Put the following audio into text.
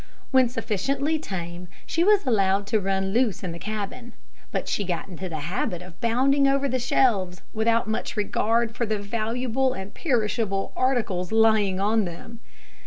When sufficiently tame, she was allowed to run loose in the cabin; but she got into the habit of bounding over the shelves, without much regard for the valuable and perishable articles lying on them.